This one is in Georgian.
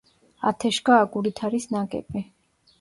ათეშგა აგურით არის ნაგები.